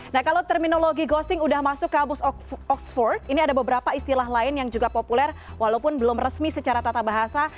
nah kalau terminologi ghosting sudah masuk kampus oxford ini ada beberapa istilah lain yang juga populer walaupun belum resmi secara tata bahasa